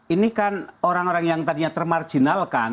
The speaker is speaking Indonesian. ini kan orang orang yang tadinya termarjinalkan